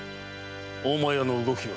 大前屋の動きは？